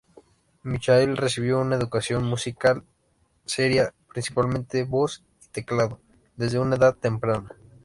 Michael recibió una educación musical seria, principalmente voz y teclado, desde una edad temprana.